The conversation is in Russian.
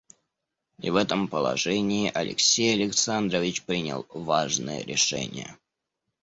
И в этом положении Алексей Александрович принял важное решение.